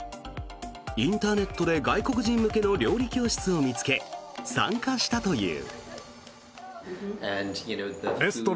インターネットで外国人向けの料理教室を見つけ参加したという。